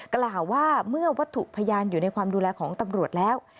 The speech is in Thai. กล่าวว่าเมื่อวัตถุพยานอยู่ในความดูแลของตำรวจแล้ว